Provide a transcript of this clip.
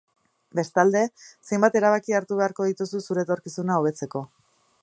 Bestalde, zenbait erabaki hartu beharko dituzu zure etorkizuna hobetzeko.